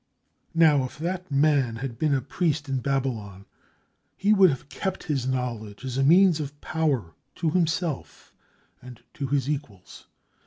Now, if that man had been a priest in Babylon, he would have kept his knowledge as a means of power to himself and to his equals.